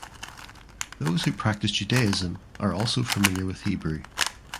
Those who practice Judaism are also familiar with Hebrew.